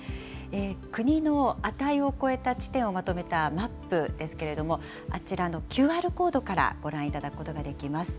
国の値を超えた地点をまとめたマップですけれども、あちらのＱＲコードからご覧いただくことができます。